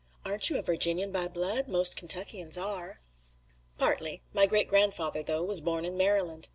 "Aren't you a Virginian by blood? Most all Kentuckians are." "Partly. My great grandfather, though, was born in Maryland."